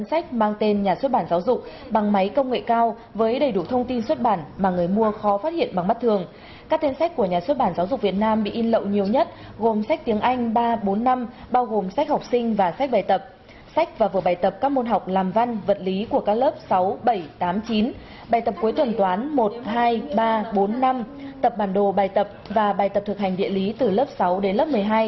các tên sách của nhà xuất bản giáo dục việt nam bị in lậu nhiều nhất gồm sách tiếng anh ba bốn năm bao gồm sách học sinh và sách bài tập sách và vừa bài tập các môn học làm văn vật lý của các lớp sáu bảy tám chín bài tập cuối tuần toán một hai ba bốn năm tập bản đồ bài tập và bài tập thực hành địa lý từ lớp sáu đến lớp một mươi hai